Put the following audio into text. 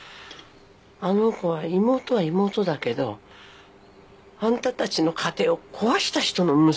あの子は妹は妹だけどあんたたちの家庭を壊した人の娘さんなんだからね。